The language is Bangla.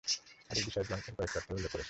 হাদীস বিশারদগণ এর কয়েকটি অর্থের উল্লেখ করেছেন।